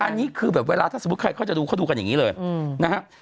อันนี้คือแบบเวลาถ้าสมมุติใครเขาจะดูเขาดูกันอย่างนี้เลยนะครับ